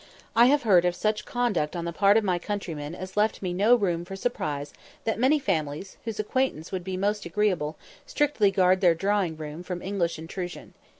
I have heard of such conduct on the part of my countrymen as left me no room for surprise that many families, whose acquaintance would be most agreeable, strictly guard their drawing room from English intrusion.